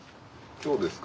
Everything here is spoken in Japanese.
今日ですか？